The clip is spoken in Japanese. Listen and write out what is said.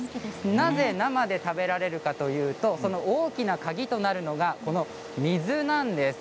なぜ生で食べられるかというと大きな鍵となるのがこの水なんです。